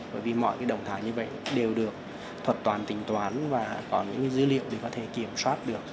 bởi vì mọi động thái như vậy đều được thuật toàn tính toán và có những dữ liệu để có thể kiểm soát được